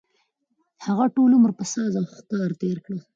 هغه ټول عمر په ساز او ښکار تېر کړ.